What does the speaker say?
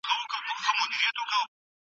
ایا ستا ملګری نن راځي که نه؟